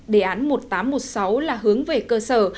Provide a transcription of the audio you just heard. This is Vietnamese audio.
đề án một nghìn tám trăm một mươi sáu là hướng về cơ sở